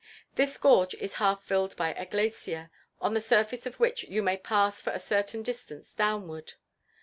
This gorge is half filled by a glacier; on the surface of which you may pass for a certain distance downward.